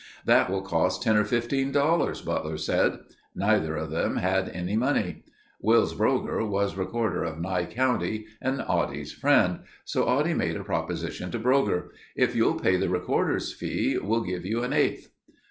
"That will cost ten or fifteen dollars," Butler said. Neither of them had any money. Wils Brougher was recorder of Nye county and Oddie's friend, so Oddie made a proposition to Brougher. "If you'll pay the recorder's fees we'll give you an eighth."